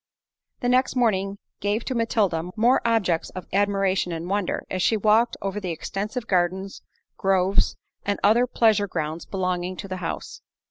The next morning gave to Matilda, more objects of admiration and wonder, as she walked over the extensive gardens, groves, and other pleasure grounds belonging to the house.